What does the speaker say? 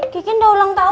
kiken udah ulang tahun